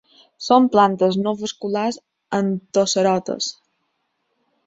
Són plantes no vasculars antocerotes.